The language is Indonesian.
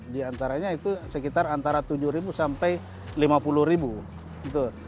di antaranya itu sekitar antara tujuh sampai lima puluh